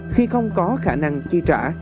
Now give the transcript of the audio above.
khi không có khả năng chi trả